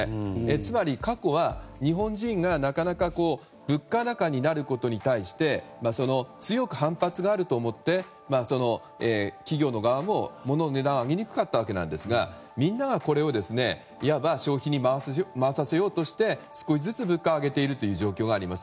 つまり、過去は日本人がなかなか物価高になることに対して強く反発があると思って企業側もものの値段が上げにくかったわけですがみんなが、これをいわば消費に回させようとして少しずつ物価を上げているという状況があります。